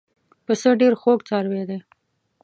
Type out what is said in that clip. پسه ډېر خوږ څاروی دی.